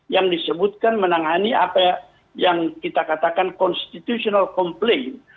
yang disebutkan menangani apa yang kita katakan constitutional complain